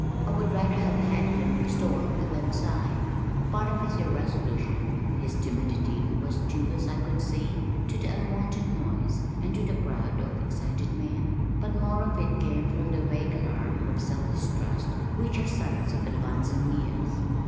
I would rather have had him storm than sigh. Part of his irresolution, his timidity, was due, as I could see, to the unwonted noise, and to the crowds of excited men, but more of it came from the vague alarm of self distrust which are signs of advancing years.